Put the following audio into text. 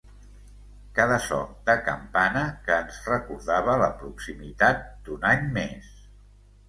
Cada so de campana que ens recordava la proximitat d’un any més.